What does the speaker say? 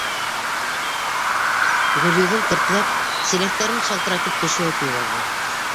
Гөлйөҙөм, тертләп, силәктәрен шалтыратып төшөрөп ебәрҙе.